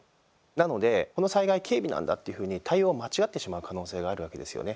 なので、この災害軽微なんだっていうふうに対応を間違ってしまう可能性があるわけですよね。